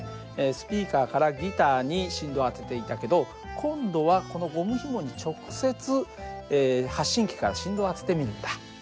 スピーカーからギターに振動を当てていたけど今度はこのゴムひもに直接発振器から振動を当ててみるんだ。